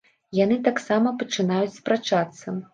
Яны таксама пачынаюць спрачацца.